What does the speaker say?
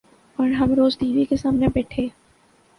اور ہم روز ٹی وی کے سامنے بیٹھے